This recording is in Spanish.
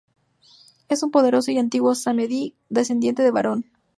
Es un poderoso y antiguo Samedi, descendiente del Barón.